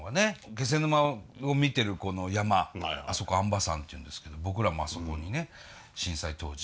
気仙沼を見てるこの山あそこ安波山っていうんですけど僕らもあそこにね震災当時。